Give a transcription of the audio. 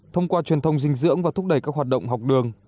thông qua truyền thông dinh dưỡng và thúc đẩy các hoạt động học đường